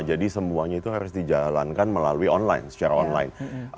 jadi semuanya itu harus dijalankan melalui online secara online